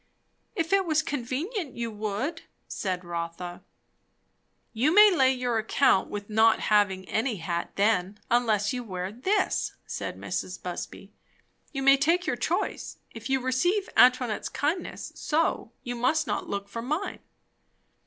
"If it was convenient, you would," said Rotha. "You may lay your account with not having any hat, then, unless you wear this," said Mrs. Busby. "You may take your choice. If you receive Antoinette's kindness so, you must not look for mine."